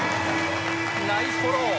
ナイスフォロー！